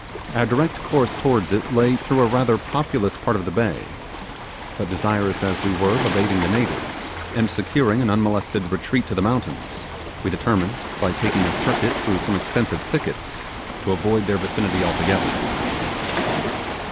Our direct course towards it lay through a rather populous part of the bay; but desirous as we were of evading the natives and securing an unmolested retreat to the mountains, we determined, by taking a circuit through some extensive thickets, to avoid their vicinity altogether.